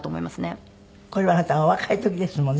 これはあなたがお若い時ですもんね